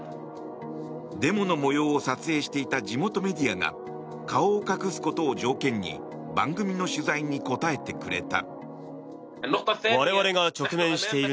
デモの模様を撮影していた地元メディアが顔を隠すことを条件に番組の取材に答えてくれた。